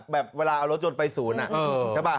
แบบเวลาเอารถจนไปศูนย์อ่ะใช่ป่ะ